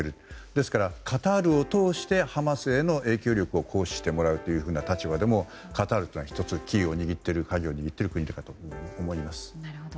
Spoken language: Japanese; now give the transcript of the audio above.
ですからカタールを通してハマスへの影響力を行使してもらう立場でもカタールというのはキーを握っている国だと思います。